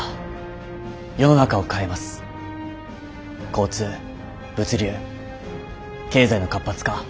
交通物流経済の活発化。